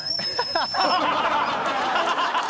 ハハハハハハ！